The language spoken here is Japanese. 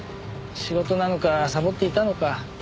仕事なのかサボっていたのか。